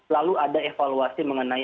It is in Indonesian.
itu ada evaluasi mengenai